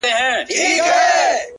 ماخو ستا غمونه ځوروي گلي “